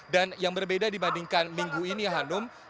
dan yang berbeda dibandingkan minggu ini hanum